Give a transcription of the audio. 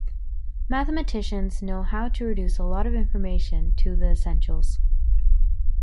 Mathematicians know how to reduce a lot of information to the essentials.